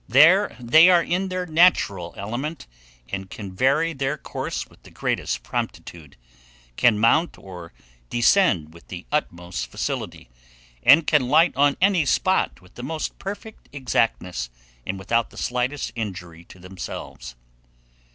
There, they are in their natural element, and can vary their course with the greatest promptitude can mount or descend with the utmost facility, and can light on any spot with the most perfect exactness, and without the slightest injury to themselves.